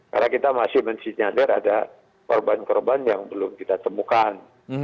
karena kita masih masih menyadar ada korban korban yang belum kita temukan